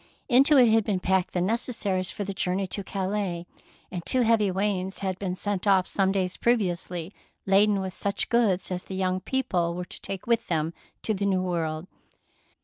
Into it had been packed the necessaries for the journey to Calais, and two heavy wains had been sent off some days previously, laden with such goods as the young people were to take with them to the New World.